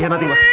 ya nanti mah